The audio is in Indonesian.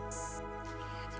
itu fitnah namanya